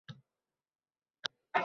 Oʻzbek tilining oʻziga xos xususiyatlari